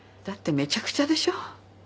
だってめちゃくちゃでしょ？